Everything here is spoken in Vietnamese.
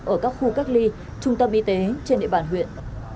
ở các khu cách ly trung tâm y tế trên địa bàn huyện